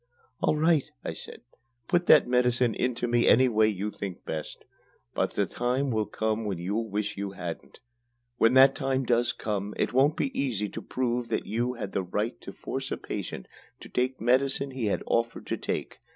"All right," I said. "Put that medicine into me any way you think best. But the time will come when you'll wish you hadn't. When that time does come it won't be easy to prove that you had the right to force a patient to take medicine he had offered to take.